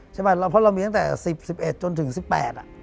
ใช่ไหมเพราะเรามีตั้งแต่๑๐๑๑จนถึง๑๘อ่ะ